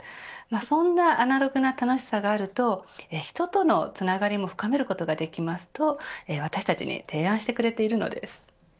そんなアナログな楽しさがあると人とのつながりも深めることができますと私たちに提案してくれているのです。